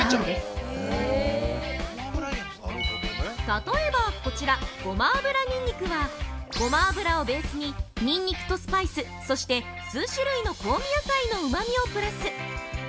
◆例えばこちら「ごま油にんにく」は、ごま油をベースに、ニンニクとスパイス、そして数種類の香味野菜のうまみをプラス！